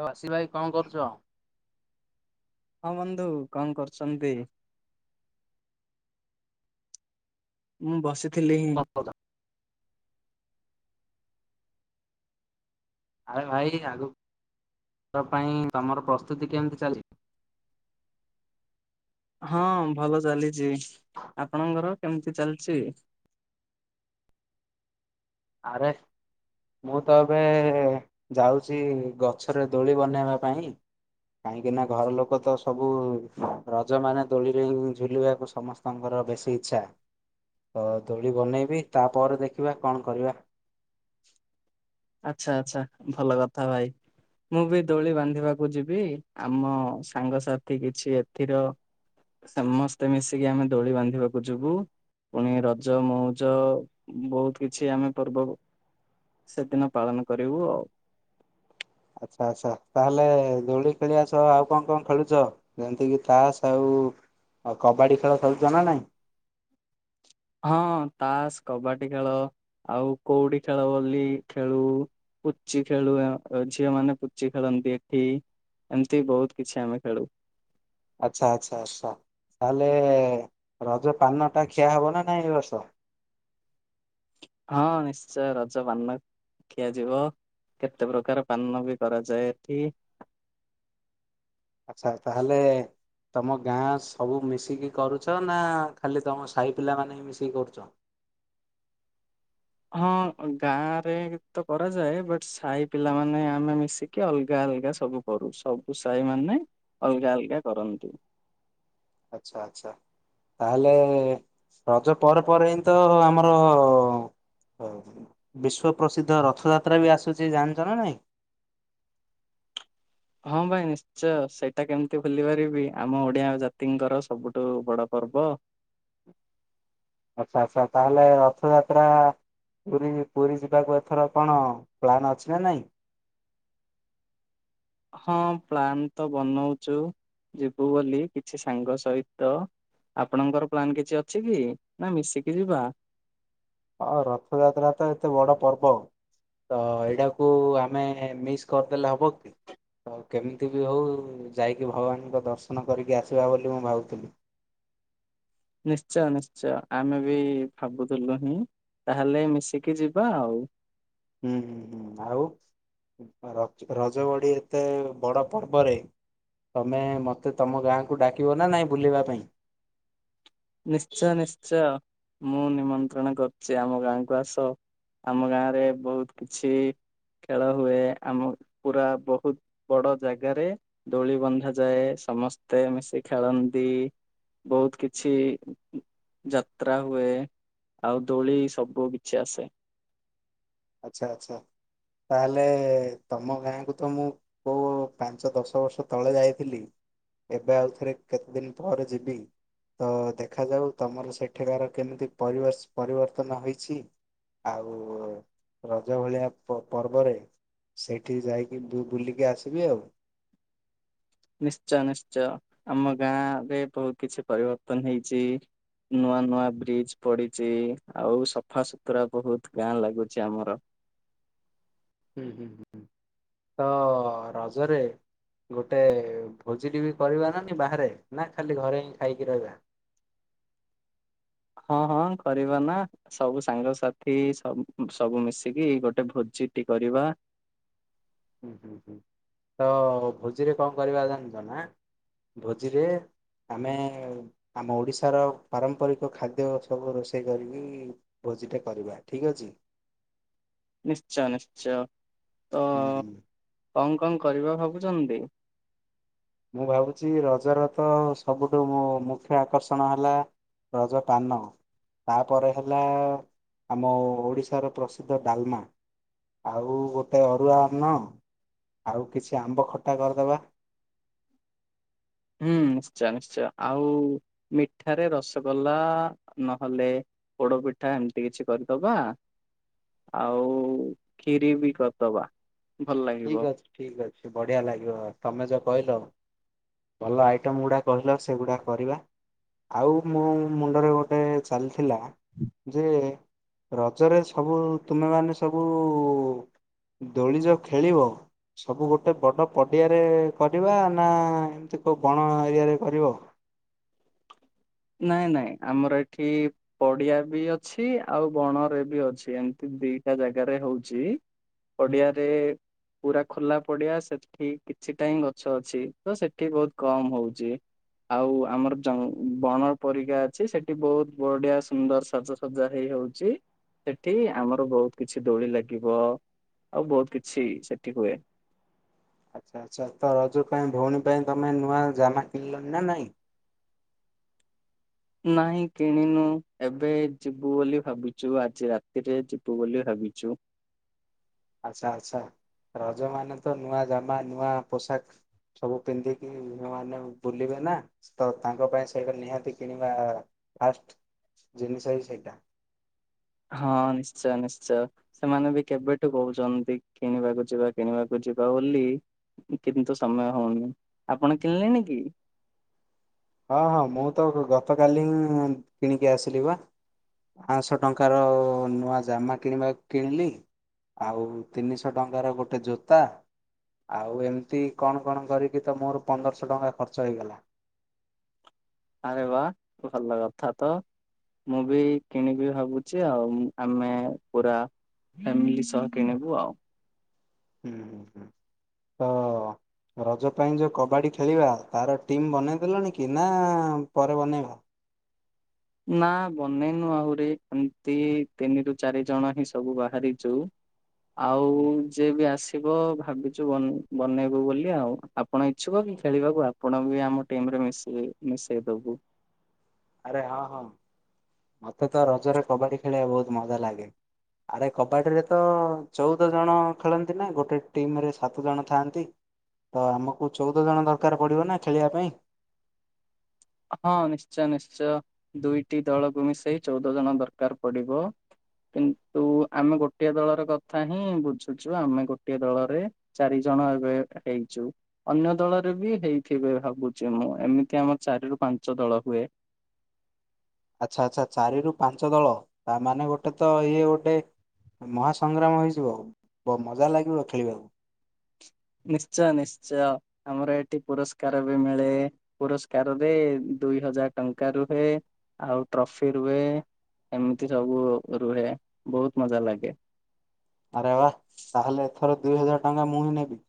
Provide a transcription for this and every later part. ତଉ ଆସ ଭାଇ କଣ କରୁଛ। ହଁ ବନ୍ଧୁ କଣ କରୁଛନ୍ତି? ହଁ ବସି ଥିଲେ। ଆରେ ଭାଇ ଆଗକୁ ପାଇଁ ତମର ପ୍ରସ୍ତୁତି କେମିତି ଚାଲି ହଁ ଭଲ ଚାଲିଛି। ଆପଣଙ୍କର କେମିତି ଚାଲିଚି? ଆରେ ମୁଁ ତ ଏବେ ଯାଉଛି ଗଛରେ ଦୋଳି ବନେଇବା ପାଇଁ କାହିଁକିନା ଘର ଲୋକ ତ ସବୁ ରଜମାନେ ଦୋଳିରେ ଝୁଲିବାକୁ ସମସ୍ତଙ୍କର ବେଶୀ ଇଚ୍ଛା ତ ଦୋଳି ବନେଇବି ତାପରେ ଦେଖିବା କଣ? କରିବା। ଆଚ୍ଛା ଆଚ୍ଛା ଭଲ କଥା ଭାଇ ମୁଁ ବି ଦୋଳି ବାନ୍ଧିବାକୁ ଯିବି ଆମ ସାଙ୍ଗସଥି କିଛି ଏଥିର ସମସ୍ତେ ମିଶିକି ଆମେ ଦୋଳି ବାନ୍ଧିବାକୁ ଯିବୁ ପୁଣି ରଜ ମଉଜ ବହୁତ କିଛି ଆମେ ପର୍ବ ସେଦିନ ପାଳନ କରିବୁ ଆଉ। ଆଚ୍ଛା ଆଚ୍ଛା ତାହେଲେ ଦୋଳି ଖେଳିବା ସହ ଆଉ କଣ କଣ ଖେଳୁଚ ଯେମିତି କିି ତାସ ଆଉ କବାଡି ଖେଳ ଖେଳୁଚ ନା ନାଇ। ହଁ ତାସ କବାଡି ଖେଳ ଆଉ କଉଡି ଖେଳ ବୋଲି ଖେଳୁ ପୁଚି ଖେଳୁ ଝିଅ ମାନେ ପୁଚି ଖେଳନ୍ତି ଏଠି ଏମିତି ବହୁତ କିଛି ଆମେ ଖେଳୁ। ଆଚ୍ଛା ଆଛା ଆଛା ତାହେଲେ ରଜ ପାନ ଟା ଖିଆ ହବ ନା ନାଇଁ ଏ ବର୍ଷ ହଁ ନିଶ୍ଚୟ ରଜ ପାନ ଖିଆଯିବ କେତେ ପ୍ରକାର ପାନ ବି କରାଯାଏ ଏଠି ଆଚ୍ଛା ତାହେଲେ ତମ ଗାଁ ସବୁ ମିଶିକି କରୁଛ ନା ଖାଲି ତମ ସାହି ପିଲା ମାନେ ହି ମିଶିକି କରୁଚ। ହଁ ଗାଁ ରେ ତ କରାଯାଏ ବଟ୍ ସାହି ପିଲାମାନୋନେ ଆମେ ମିଶିକି ଅଲଗା ଅଲଗା ସବୁ କରୁ ସବୁ ସାହି ମାନେ ଅଲଗା ଅଲଗା କରନ୍ତି। ଆଛା ଆଛା ତାହେଲେ ରଜ ପରେ ପରେ ହିଁ ତ ଆମର ବିଶ୍ଵ ପ୍ରସିଦ୍ଧ ରଥଯାତ୍ରା ବି ଆସୁଛି ଜାଣିଛ ନା ନାଇଁ। ହଁ ଭାଇ ନିଶ୍ଚୟ ସେଇଟା କେମିତି ଭୁଲି ପାରିବି ଆମ ଓଡିଆ ଜାତିଙ୍କର ସବୁଠୁ ବଡ ପର୍ବ ଆଛା ଆଛା ତାହେଲେ ରଥଯାତ୍ରା ପୁରି ପୁରୀ ଯିବାକୁ ଏଥର କଣ ପ୍ଲାନ ଅଛି ନା ନାଇଁ? ହଁ ପ୍ଲାନ୍ ତ ବନଉଛୁ ଯିବୁ ବୋଲି କିଛି ସାଙ୍ଗ ସହିତ ଆପଣଙ୍କର ପ୍ଲାନ୍ କିଛି ଅଛି କି ନା ମିଶିକି ଯିବା। ହଁ ରଥଯାତ୍ରା ତ ଏତେ ବଡ ପର୍ବ ତ ଏଇଟାକୁ ଆମେ ମିସ୍ କରିଦେଲେ ହବ କି ତ କେମିତି ବି ହଉ ଯାଇକି ଭଗବାନଙ୍କ ଦର୍ଶନ କରିକି ଆସିବା ବୋଲି ମୁଁ ଭାବୁଥିଲି। ନିଶ୍ଚୟ ନିଶ୍ଚୟ ଆମେ ବି ଭାବୁଥିଲୁ ହିଁ ତାହେଲେ ମିଶିକି ଯିବା ଆଉ। ହୁଁ ହୁଁ ହୁଁ ଆଉ ରଜ ରଜଗଡି ଏତେ ବଡ ପର୍ବରେ ତମେ ମତେ ତମ ଗାଁକୁ ଡାକିବ ନା ନାଇଁ ବୁଲିବା ପାଇଁ। ନିଶ୍ଚୟ ନିଶ୍ଚୟ। ମୁଁ ନିମନ୍ତ୍ରଣ କରୁଛି ଆମ ଗାଁକୁ ଆସ ଆମ ଗାଁ ରେ ବହୁତ କିଛି ଖେଳ ହୁଏ ଆମ ପୁରା ବହୁତ ବଡ ଜାଗାରେ ଦୋଳି ବନ୍ଧାଯାଏ ସମସ୍ତେ ମିଶି ଖେଳନ୍ତି ବହୁତ କି କିଛି ଯାତ୍ରା ହୁଏ ଆଉ ଦୋଳି ସବୁ କିଛି ଆସେ। ଆଛା ଆଛା ତା ହେଲେ ତମ ଗାଁକୁ ତ ମୁଁ କୋଉ ପାଞ୍ଚ ଦଶ ବର୍ଷ ତଳେ ଯାଇଥିଲି ଏବେ ଆଉ ଥରେ କେତେ ଦିନ ପରେ ଯିବି ତ ଦେଖାଯାଉ ତମର ସେଠକାର କେମିତି ପରିବେସ୍ ପରିବର୍ତ୍ତନ ହୋଇଛି ଆଉ। ରଜ ଭଳିଆ ପ ପର୍ବରେ ସେଠି ଯାଇକି ବୁ ବୁଲିକି ଆସିବି ଆଉ। ନିଶ୍ଚୟ ନିଶ୍ଚୟ ଆମ ଗାଁ ରେ ବହୁତ କିଛି ପରିବର୍ତ୍ତନ ହେଇଛି ନୂଆ ନୂଆ ବ୍ରିଜ ପଡିଛି ଆଉ ସଫା ସୁୁତୁରା ବହୁତ ଗାଁ ଲାଗୁଛି ଆମର ହୁଁ ହୁଁ ହୁଁ। ତ ରଜରେ ଗୋଟେ ଭୋଜି ଟେ ବି କରିବା ନାନି ବାହାରେ ନା ଖାଲି ଘରେ ହିଁ ଖାଇକି ରହିବା। ହଁ ହଁ କରିବା ନା ସବୁ ସାଙ୍ଗସାଥି ସ ସବୁ ମିଶିକି ଗୋଟେ ଭୋଜିଟି କରିବା। ହୁଁ ହୁଁ ହୁଁ ତ ଭୋଜିରେ କଣ କରିବା ଜାଣିଛ ନା ଭୋଜିରେ ଆମେ ଆମ ଓଡିଶାର ପାରମ୍ପରିକ ଖାଦ୍ୟ ସବୁ ରୋଷେଇ କରିକି ଭୋଜି ଟା କରିବା ଠିକ ଅଛି। ନିଶ୍ଚୟ ନିଶ୍ଚୟ। ତ ହୁଁ ହୁଁ। କଣ କଣ କରିବା ଭାବୁଛନ୍ତି? ମୁଁ ଭାବୁଛି ରଜର ତ ସବୁଠୁ ମୁଖ୍ୟ ଆକର୍ଷଣ ହେଲା ରଜ ପାନ ତାପରେ ହେଲା ଆମ ଓଡ଼ିଶାର ପ୍ରସିଦ୍ଧ ଡାଲମା ଆଉ ଗୋଟେ ଅରୁଆ ଅନ୍ନ ଆଉ କିଛି ଆମ୍ବ ଖଟା କରିଦେବା। ହୁଁ ନିଶ୍ଚୟ ନିଶ୍ଚୟ ଆଉ ମିଠାରେ ରସଗୋଲା ନହେଲେ ପୋଡ ପିଠା ଏମିତି କିଛି କରିଦବା ଆଉ ଖିରି ବି କରିଦବା। ଭଲ ଲାଗିବ। ଠିକ ଅଛି ଠିକ ଅଛି ବଢିଆ ଲାଗିବ ତମେ ଯୋ କହିଲ ଭଲ ଆଇଟମ ଗୁଡା କହିଲ ସେଗୁଡା କରିବା ଆଉ ମୋ ମୁଣ୍ଡରେ ଗୋଟେ ଚାଲିଥିଲା ଯେ ରଜରେ ସବୁ ତୁମେ ମାନ ସବୁ ଦୋଳିଜ ଖେଳିବ ସବୁ ଗୋଟେ ବଡ ପଡିଆରେ କରିବା ନା ଏମିତି କୋଉ ବଣ ଏରିଆରେ କରିବ। ନାଇଁ ନାଇଁ ଆମର ଏଠି ପଡିଆ ବି ଅଛି ଆଉ ବଣରେ ବି ଅଛି ଏମିତି ଦିଟା ଜାଗାରେ ହଉଛି ପଡିଆରେ ପୁରା ଖୋଲା ପଡିଆ ସେଠି କିଛି ଟା ଗଛ ଅଛି ତ ସେଠି ବହୁତ କମ ହଉଛି ଆଉ ଆମର ଜ ବଣର ପରିକା ଅଛି ସେଠି ବହୁତ ବଢିଆ ସୁନ୍ଦର ସାଜସଜା ହେଇ ହଉଛି ସେଠି ଆମର ବହୁତ କିଛି ଦୋଳି ଲାଗିବ ଆଉ ବହୁତ କିଛି ସେଠି ହୁଏ। ଆଚ୍ଛା ଆଚ୍ଛା ତ ରଜ ପାଇଁ ଭଉଣୀ ପାଇଁ ତମେ ନୂଆ ଜାମା କିଣିଲନି ନା ନାଇଁ। ନାଇଁ କିଣିନୁ ଏବେ ଯିବୁ ବୋଲି ଭାବିଛୁ ଆଜି ରାତିରେ ଯିବୁ ବୋଲି ଭାବିଛୁ। ଆଚ୍ଛା ଆଚ୍ଛା ରଜ ମାନ ତ ନୂଆ ଜାମା ନୂଆ ପୋଷାକ ସବୁ ପିନ୍ଧିକି ମାନେ ବୁଲିବେ ନା ତ ତାଙ୍କ ପାଇଁ ସେଇଟା ନିହାତି କିଣିବା ଫାଷ୍ଟ ଜିନିଷ ହି ସେଇଟା। ହଁ ନିଶ୍ଚୟ ନିଶ୍ଚୟ ସେମାନେ ବି କେବେଠୁ କହୁଛନ୍ତି କିଣିବାକୁ ଯିବା କିଣିବାକୁ ଯିବା ବୋଲି କିନ୍ତୁ ସମୟ ହଉନି ଆପଣ କିଣିଲେଣି କି? ହଁ ହଁ ମୁଁ ତ ଗତକାଲି ହିଁ କିଣିକି ଆସିଲି ବା ପାଞ୍ଚଶହ ଟଙ୍କାର ନୂଆ ଜାମା କିଣିବା କିଣିଲି ଆଉ ତିନିଶହ ଟଙ୍କାର ଗୋଟେ ଜୋତା ଆଉ ଏମିତି କଣ କଣ କରିକି ତ ମୋର ପନ୍ଦରଶହ ଟଙ୍କା ଖର୍ଚ୍ଚ ହେଇଗଲା ଆରେ ବା ଭଲ କଥା ତ ମୁଁ ବି କିଣିବି ଭାବୁଛି ଆଉ ଆମେ ପୁରା ଫ୍ୟାମିଲି ସହ କିଣିବୁ ଆଉ ହୁଁ ହୁଁ ହୁଁ ତ ରଜ ପାଇଁ ଯୋଉ କବାଡି ଖେଳିବା ତାର ଟିମ୍ ବନେଇଦେଲଣି କି ନା ପରେ ବନେଇବା ନା ବନେଇନୁ ଆହୁରି ଏମିତି ତିନି ରରୁ ଚାରି ଜଣ ହିଁ ସବୁ ବାହାରିଛୁ ଆଉ ଯିଏ ବି ଆସ ିବ ଭାବିଛୁ ବନେଇବୁ ବୋଲି ଆଉ ଆପଣ ଇଛୁକ କି ଖେଳିବାକୁ ଆପଣ ବି ଆମ ଟିମରେ ମିଶେଇ ଦବୁ ଆରେ ହଁ ହଁ ମତେ ତ ରଜରେ କବାଡି ଖେଳିବା ବହୁତ ମଜା ଲାଗେ ଆରେ କବାଡିରେ ତ ଚଉଦ ଜଣ ଖେଳନ୍ତି ନା ଗୋଟେ ଟିମ ରେ ସାତ ଜଣ ଥାଆନ୍ତି ତ ଆମକୁ ଚଉଦ ଜଣ ଦରକାର ପଡିବ ନା ଖେଳିବା ପାଇଁ ହଁ ନିଶ୍ଚୟ ନିଶ୍ଚୟ ଦୁଇଟି ଦଳକୁ ମିଶେଇ ଚଉଦ ଜଣ ଦରକାର ପଡିବ କିନ୍ତୁ ଆମେ ଗୋଟିଏ ଦଳର କଥା ହିଁ ବୁଝୁଛୁ ଆମେ ଗୋଟିଏ ଦଳରେ ଚାରି ଜଣ ଏବେ ହେଇଛୁ ଅନ୍ୟ ଦଳରେ ବି ହେଇଥିବେ ଭାବୁଛି ମୁଁ ଏମିତି ଆମ ଚାରିରୁ ପାଞ୍ଚ ଦଳ ହୁଏ ଆଚ୍ଛା ଆଚ୍ଛା ଚାରି ରରୁ ପାଞ୍ଚ ଦଳ ତାମାନୋନେ ଗୋଟେ ତ ଇଏ ଗୋଟେ ମହା ସଂଂଗ୍ରାମ ହେଇଯିବ ମଜା ଲାଗିବ ଖେଳିବାକୁ ନିଶ୍ଚୟ ନିଶ୍ଚୟ ଆମର ଏଠି ପୁରସ୍କାର ବି ମିଳେ ପୁରସ୍କାରରେ ଦୁଇ ହଜାର ଟଙ୍କା ରୁହେ ଆଉ ଟ୍ରଫି ରୁହେ ଏମିତି ସବୁ ରୁହେ ବହୁତ ମଜା ଲାଗେ ଆରେ ବା ତାହେଲେ ଏଥର ଦୁଇ ହଜାର ଟଙ୍କା ମୁଁ ହିଁ ନେବି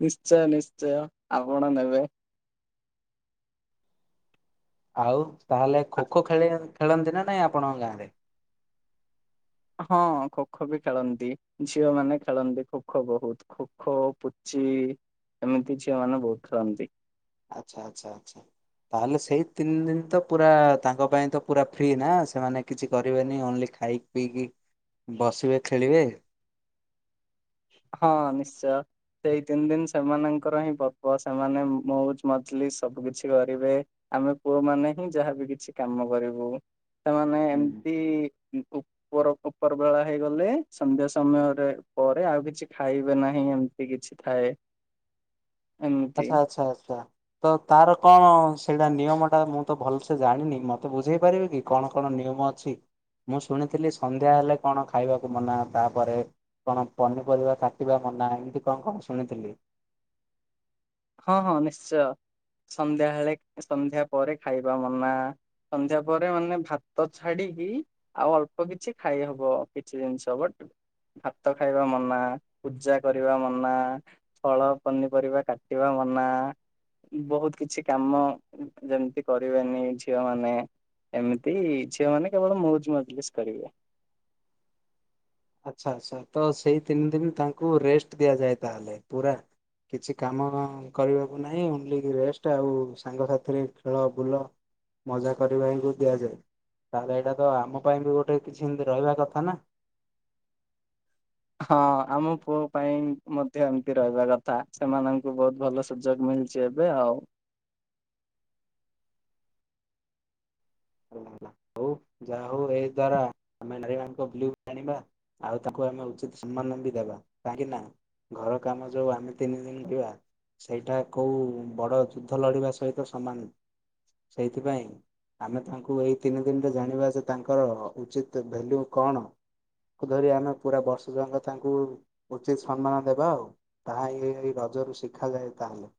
ନିଶ୍ଚୟ ନିଶ୍ଚୟ ଆପଣ ନେବେ ଆଉ ତାହେଲେ ଆ- ଖୋ ଖୋ ଖେଳ ଖେଳନ୍ତି ନା ନାଇଁ ଆପଣଙ୍କ ଗାଁରେ ହଁ ଖୋ ଖୋ ବି ଖେଳନ୍ତି ଝିଅ ମାନେ ଖେଳନ୍ତି ଖୋ ଖୋ ବହୁତ ଖୋ ଖୋ ପୁଚି ଏମିତି ଝିଅ ମାନେ ବହୁତ ଖେଳନ୍ତି ଆଚ୍ଛା ଆଚ୍ଛା ଆଚ୍ଛା ତାହେଲେ ସେଇ ତିନି ଦିନ ତ ପୁରା ତାଙ୍କ ପାଇଁ ତ ପୁରା ଫ୍ରି ନା ସେମାନେ କିଛି କରିବେନି ଓନ୍ଲି ଖାଇକି ପିଇକି ବସିବେ ଖେଳିବେ ହଁ ନିଶ୍ଚୟ ସେଇ ତିନି ଦିନ ସେମାନଙ୍କର ହିଁ ପପ ସେମାନେ ମଉଜ ମଜଲି ସବୁ କିଛି କରିବେ ଆମେ ପୁଅ ମାନେ ହିଁ ଯାହାବି କିଛି କାମ କରିବୁ ସେମାନେ ଏମିତି ଉପର ଉପର ବେଳା ହେଇଗଲେ ସନ୍ଧ୍ୟା ସମୟରେ ପରେ ଆଉ କିଛି କିଛି ଖାଇବେ ନାହିଁ ଏମିତି କିଛି ଥାଏ ଏମିତି ଆଚଛା ଆଚ୍ଛା ଆଚ୍ଛା ତ ତାର କଣ ସେଇଟା ନିୟମଟା ମୁଁ ତ ଭଲସେ ଜାଣିନି ମୋତେ ବୁଝେଇ ପାରିବେ କି କଣ କଣ ନିୟମ ଅଛି ମୁଁ ଶୁଣିଥିଲି ସନ୍ଧ୍ୟା ହେଲେ କଣ ଖାଇବାକୁ ମନା ତାପରେ କଣ ପନିପରିବା କାଟିବା ମନା ଏମିତି କଣ କଣ ଶୁଣିଥିଲି ହଁ ହଁ ନିଶ୍ଚୟ ସନ୍ଧ୍ୟାବେଳେ ସନ୍ଧ୍ୟା ପରେ ଖାଇବା ମନା ସନ୍ଧ୍ୟା ପରେ ମାନେ ଭାତ ଛାଡିକି ଆଉ ଅଳ୍ପ କିଛି ଖାଇ ହବ କିଛି ଜିନିଷ ବଟ ଭାତ ଖାଇବା ମନା ପୂଜା କରିବା ମନା ଫଳ ପନିପରିବା କାଟ କଟିବା ମନା ବହୁତ କିଛି କାମ ଯେମିତି କରିବେନି ଝିଅ ମାନେ ଏମିତି ଝିଅ ମାନେ କେବଳ ମଜ ମଜଲିସ୍ କରିବେ ଆଚ୍ଛା ଆଚ୍ଛା ତ ସେଇ ତିନି ଦିନ ତାଙ୍କୁ ରେଷ୍ଟ ଦିଆଯାଏ ତାହେଲେ ପୁରା କିଛି କାମ କରିବାକୁ ନାହିଁ ଓନ୍ଲି ରେଷ୍ଟ ଆଉ ସାଙ୍ଗସାଥିରେ ଖେଳ ବୁଲ ମଜା କରିବାକୁ ଦିଆଯାଏ ତାହେଲେ ଏଇଟା ତ ଆମ ପାଇଁ ବି ଗୋଟେ କିଛି ଏମତି ରହିବା କଥା ନା ହଁ ଆମ ପୁଅ ପାଇଁ ମଧ୍ୟ ଏମିତି ରହିବା କଥା ସେମାନଙ୍କୁ ବହୁତ ଭଲ ସୁଯୋଗ ମିଳିଛି ଏବେ ଆଉ ହଉ ଯାହା ହଉ ଏଇ ଦ୍ଵାରା ଆମେ ନାରୀ ମଙ୍କ ବୁ ଆଣିବା ଆଉ ତାଙ୍କୁ ଆମେ ଉଚିତ ସମ୍ମାନ ବି ଦେବା କାହିଁକି ନା ଘର କାମ ଯୋଉ ଆମେ ତିନି ଦିନ କରିବା ସେଇଟା କୋଉ ବଡ ଯୁଦ୍ଧ ଲଢିବା ସହିତ ସମାନ ସେଇଥିପାଇଁ ଆମେ ତାଙ୍କୁ ଏଇ ତିନି ଦିନ ଜାଣିବା ଯେ ତାଙ୍କର ଉଚିତ ଭ୍ୟାଲ୍ୟୁ କଣ ଧରି ଆମେ ପୁରା ବର୍ଷ ଯାକ ତାଙ୍କୁ ଉଚିତ ସମ୍ମାନ ଦେବା ଆଉ ତାହା ରଜରୁ ଶିଖାଯାଏ ତାହେଲେ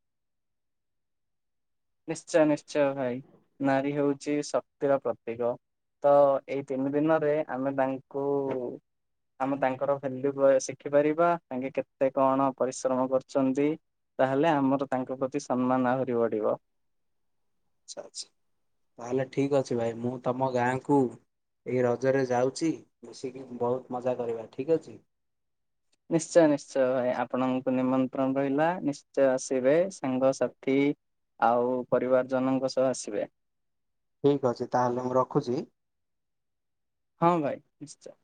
ନିଶ୍ଚୟ ନିଶ୍ଚୟ ଭାଇ ନାରୀ ହଉଛି ଛି ଶକ୍ତିର ପ୍ରତୀକ ତ ଏଇ ତିନି ଦିନରେ ଆମେ ତାଙ୍କୁ ଆମେ ତାଙ୍କର ଭାଲ୍ୟୁ ଶିଖିପାରିବା ତାଙ୍କେ କେତେ କଣ ପରିଶ୍ରମ କରୁଛନ୍ତି ତାହେଲେ ଆମର ତାଙ୍କ ପ୍ରତି ସମ୍ମାନ ଆହୁରି ବଢିବ ଆଚ୍ଛା ଆଚ୍ଛା ତାହେଲେ ଠିକ ଅଛି ଭାଇ ମୁଁ ତମ ଗାଁକୁ ଏଇ ରଜରେ ଯାଉଛି ମିଶିକି ବହୁତ ମଜା କରିବା ଠିକ୍ ଅଛି ନିଶ୍ଚୟ ନିଶ୍ଚୟ ଭାଇ ଆପଣଙ୍କୁ ନିମନ୍ତ୍ରଣ ରହିଲା ନିଶ୍ଚୟ ଆସିବେ ସାଙ୍ଗସଥି ଆଉ ପରିବାର ଜନଙ୍କ ସହ ଆସିବେ ଠିକ ଅଛି ତାହେଲେ ମୁଁ ରଖୁଛି। ହଁ ଭାଇ ନିଶ୍ଚୟ